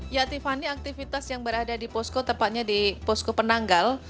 ya tiffany aktivitas yang berada di posko tepatnya di posko penanggal